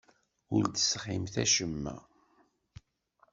Ur d-tesɣimt acemma.